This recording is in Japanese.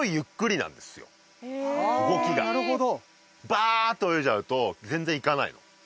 バーッと泳いじゃうと全然行かないの。